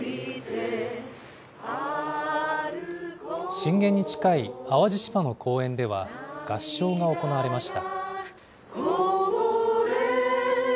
震源に近い、淡路島の公園では、合唱が行われました。